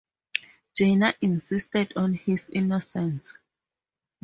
Janner insisted on his innocence.